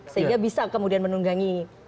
sehingga bisa kemudian menunggangi